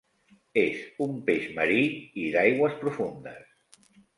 És un peix marí i d'aigües profundes.